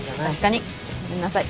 ごめんなさい。